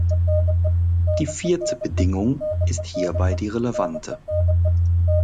Die vierte Bedingung ist hierbei die relevante.